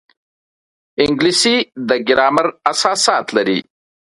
انګلیسي د ګرامر اساسات لري